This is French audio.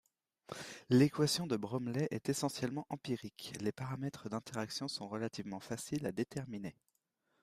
L'équation de Bromley est essentiellement empirique, les paramètres d'interaction sont relativement faciles à déterminer.